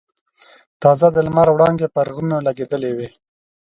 تازه د لمر وړانګې پر غرونو لګېدلې وې.